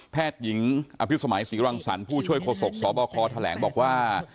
หญิงอภิษมัยศรีรังสรรค์ผู้ช่วยโฆษกสบคแถลงบอกว่า